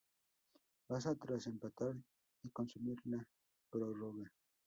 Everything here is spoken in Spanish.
Baza tras empatar y consumir la prórroga.